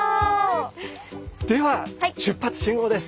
では出発進行です！